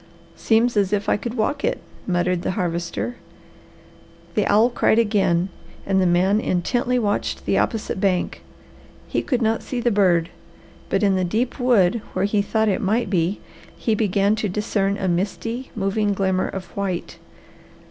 "Seems as if I could walk it," muttered the Harvester. The owl cried again and the man intently watched the opposite bank. He could not see the bird, but in the deep wood where he thought it might be he began to discern a misty, moving shimmer of white.